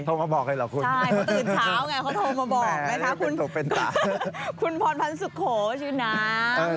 โทรมาบอกเลยเหรอคุณคุณพอตื่นเช้าไงเค้าโทรมาบอกไหมคะคุณพรพันธุ์สุขโหชื่อน้ำ